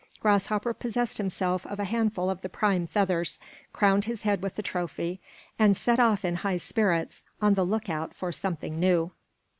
Grasshopper possessed himself of a handful of the prime feathers, crowned his head with the trophy, and set off in high spirits on the look out for something new.